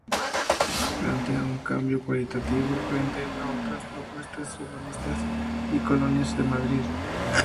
Plantea un cambio cualitativo frente a otras propuestas urbanísticas y colonias de Madrid.